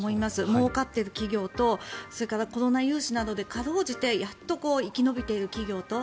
もうかってる企業とそれから、コロナ融資などでかろうじてやっと生き延びている企業と。